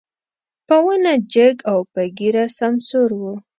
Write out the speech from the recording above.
په ونه جګ او په ږيره سمسور و.